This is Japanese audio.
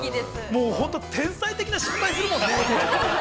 ◆もう本当天才的な、失敗をするもんね。